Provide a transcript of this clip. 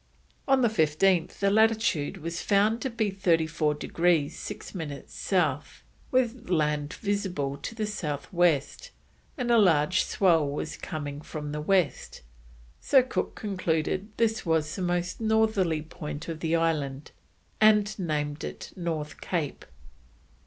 On the 15th the latitude was found to be 34 degrees 6 minutes South, with land visible to the south west, and a large swell was coming from the west, so Cook concluded this was the most northerly point of the island, and named it North Cape.